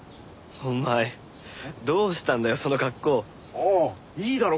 ああいいだろ？